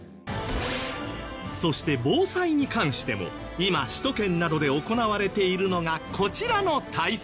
そして防災に関しても今首都圏などで行われているのがこちらの対策。